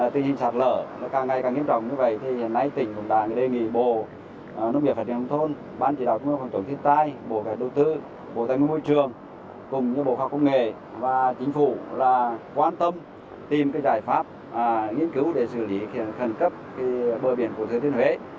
chính phủ quan tâm tìm giải pháp nghiên cứu để xử lý khẩn cấp bờ biển của thừa thiên huế